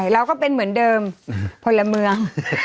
เราก็เป็นเหมือนเดิมพลเมือง